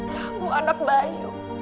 kamu anak bayu